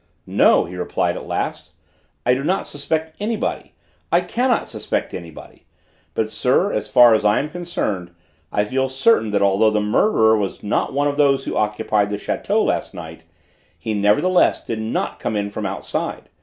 "No," he replied at last, "I do not suspect anybody! I cannot suspect anybody! But, sir, as far as I am concerned, I feel certain that although the murderer was not one of those who occupied the château last night he nevertheless did not come in from outside.